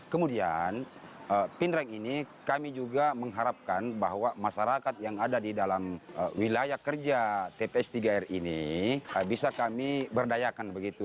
kemudian pindrang ini kami juga mengharapkan bahwa masyarakat yang ada di dalam wilayah kerja tps tiga r ini bisa kami berdayakan begitu